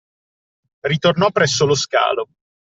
Ritornò presso lo scalo.